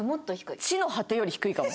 地の果てより低いかも。